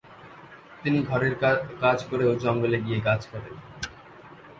তিনি ঘরের কাজ করেও জঙ্গলে গিয়ে গাছ কাটেন।